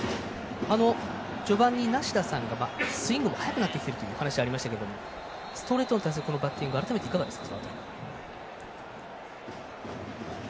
序盤に梨田さんがスイングが速くなってきているという話がありましたがストレートに対してのバッティング改めていかがですか。